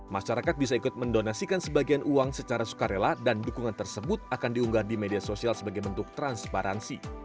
masyarakat bisa ikut mendonasikan sebagian uang secara sukarela dan dukungan tersebut akan diunggah di media sosial sebagai bentuk transparansi